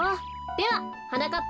でははなかっ